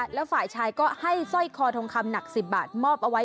แล้วฝ่ายชายก็ให้สร้อยคอทองคำหนัก๑๐บาทมอบเอาไว้